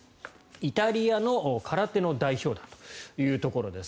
イタリアの空手の代表団というところです。